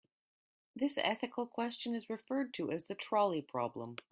This ethical question is referred to as the trolley problem.